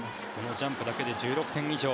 ジャンプだけで１６点以上。